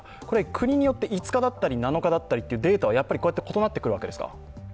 国によって５日だったり７日だったりというデータは異なってくるわけですか。